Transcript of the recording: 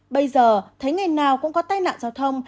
bây giờ thấy ngày nào cũng có tai nạn giao thông